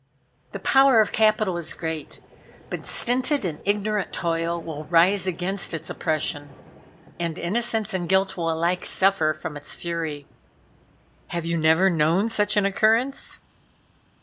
The power of capital is great, but stinted and ignorant toil will rise against its oppression, and innocence and guilt will alike suffer from its fury. Have you never known such an occurrence?"